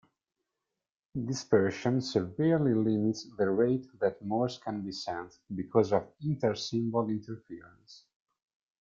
Dispersion severely limits the rate that Morse can be sent because of intersymbol interference.